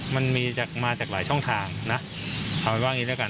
มันมีมาจากหลายช่องทางนะเอาไปว่างี้แล้วกัน